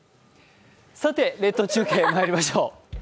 さて列島中継まいりましょう。